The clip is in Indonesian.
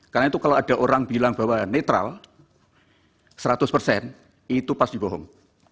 karena itu kalau ada orang bilang bahwa netral seratus itu pasti bohong